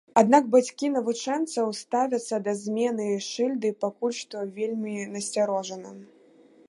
Аднак бацькі навучэнцаў ставяцца да змены шыльды пакуль што вельмі насцярожана.